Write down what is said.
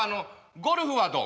ゴルフはどう？